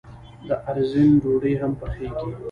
د ارزن ډوډۍ هم پخیږي.